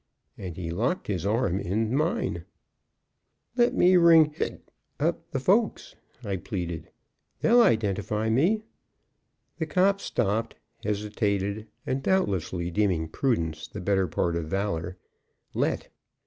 And he locked his arm in mine. "Let me ring (hic) up the folks," I pleaded. "They'll identify me." The cop stopped, hesitated, and, doubtlessly deeming prudence the better part of valor, "let."